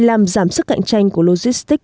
làm giảm sức cạnh tranh của logistic